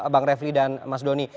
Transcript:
bang refli dan mas doni